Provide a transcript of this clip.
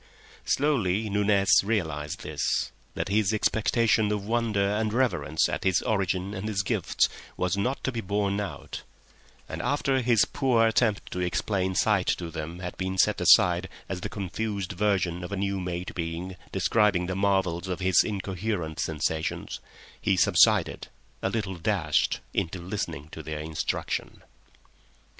Slowly Nunez realised this: that his expectation of wonder and reverence at his origin and his gifts was not to be borne out; and after his poor attempt to explain sight to them had been set aside as the confused version of a new made being describing the marvels of his incoherent sensations, he subsided, a little dashed, into listening to their instruction.